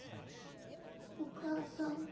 お母さん